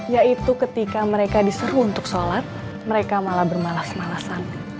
yaitu ketika mereka disuruh untuk sholat mereka malah bermalas malasan